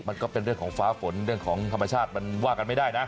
มันก็เป็นเรื่องของฟ้าฝนเรื่องของธรรมชาติมันว่ากันไม่ได้นะ